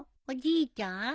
おじいちゃん？